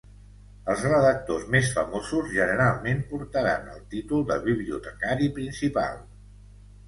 Els redactors més famosos generalment portaren el títol de bibliotecari principal.